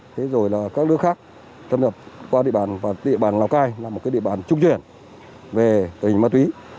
thế rồi là các nước khác thâm nhập qua địa bàn và địa bàn lào cai là một cái địa bàn trung chuyển về tình hình ma túy